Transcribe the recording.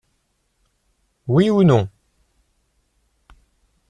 Oui ou non.